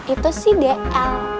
itu sih dl